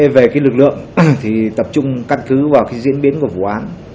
về lực lượng thì tập trung căn cứ vào cái diễn biến của vụ án